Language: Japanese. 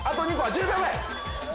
１０秒前！